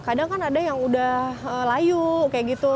kadang kan ada yang udah layu kayak gitu